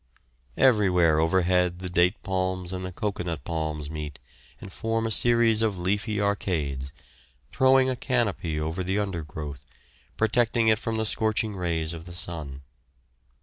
Everywhere overhead the date palms and the cocoanut palms meet and form a series of leafy arcades, throwing a canopy over the undergrowth, protecting it from the scorching rays of the sun.